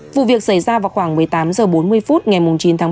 vụ việc xảy ra vào khoảng một mươi tám h bốn mươi phút ngày chín tháng ba